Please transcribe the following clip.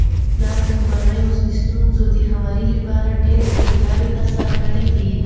پلار د کورنيو د ستونزو د هواري لپاره ډيري ستړياوي تر سره کړي دي